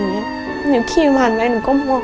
เคี่ยคิมันไหนหนูก็โมเนิก